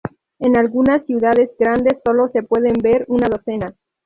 En algunas ciudades grandes solo se puede ver una docena.